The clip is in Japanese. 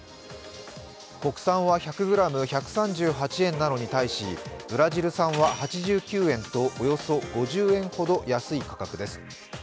国産は１００ｇ１３８円なのに対しブラジル産は８９円と、およそ５０円ほど安い価格です。